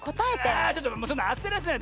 あちょっとそんなあせらせないで！